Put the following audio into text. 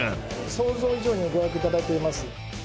想像以上にご予約を頂いています。